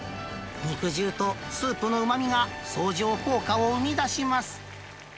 肉汁とスープのうまみが相乗効果を生み出します。